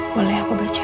boleh aku baca